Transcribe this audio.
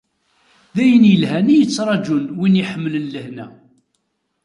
D ayen yelhan i yetrṛaǧun win iḥemmlen lehna.